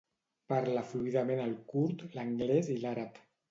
Parla fluidament el kurd, l'anglès i l'àrab.